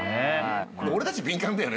俺たち敏感だよね。